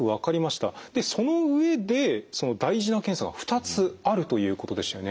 その上で大事な検査が２つあるということでしたよね。